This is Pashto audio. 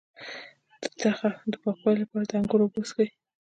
د تخه د پاکوالي لپاره د انګور اوبه وڅښئ